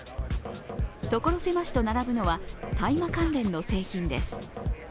所狭しと並ぶのは大麻関連の製品です。